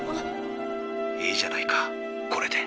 いいじゃないかこれで。